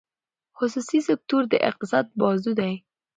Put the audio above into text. خصوصي سکتور د اقتصاد بازو دی.